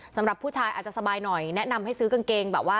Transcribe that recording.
สำหรับผู้ชายอาจจะสบายหน่อยแนะนำให้ซื้อกางเกงแบบว่า